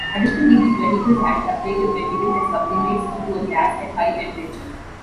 Additionally, these vehicles had ablative material that sublimates into a gas at high temperature.